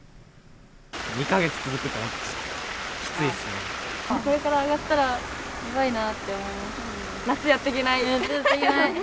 ２か月続くと思うと、きついこれから上がったらやばいなって思います。